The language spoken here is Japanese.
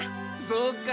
そうか。